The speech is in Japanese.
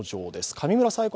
上村彩子